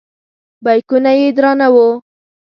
بیکونه یې درانه وو.